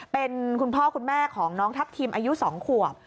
เป็นคุณพ่อคุณแม่ของน้องทัพทิมอายุ๒ขวบ